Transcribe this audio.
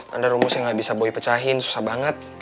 ada rumus yang gak bisa boy pecahin susah banget